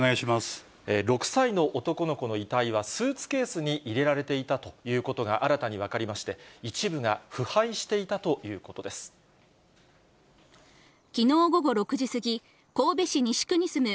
６歳の男の子の遺体はスーツケースに入れられていたということが新たに分かりまして、一部がきのう午後６時過ぎ、神戸市西区に住む